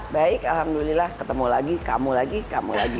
baik alhamdulillah ketemu lagi kamu lagi kamu lagi